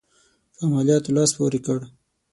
په عملیاتو لاس پوري کړ.